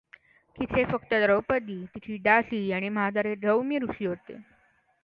तिथे फक्त द्रौपदी, तिची दासी आणि म्हातारे धौम्य ऋषी होते.